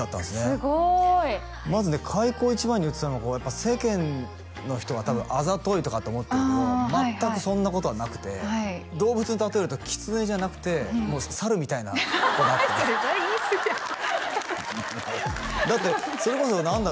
すごいまずね開口一番に言ってたのが世間の人は多分あざといとかって思ってるけど全くそんなことはなくて動物に例えるとキツネじゃなくてサルみたいな子だってそれ言いすぎだってそれこそ何だろう